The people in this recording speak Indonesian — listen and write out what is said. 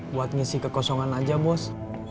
buat ngisi kekosongan aja bos